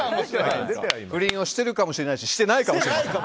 不倫をしているかもしれないししてないかもしれない。